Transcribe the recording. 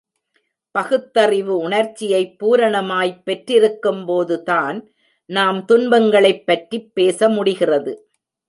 பகுத்தறிவு உணர்ச்சியைப் பூரணமாய்ப் பெற்றிருக்கும் போதுதான் நாம் துன்பங்களைப் பற்றிப் பேச முடிகிறது.